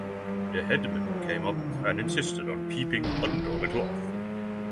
The headman came up and insisted on peeping under the cloth.